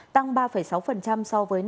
tăng ba sáu so với năm hai nghìn một mươi bảy